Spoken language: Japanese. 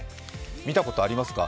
見たことありますか？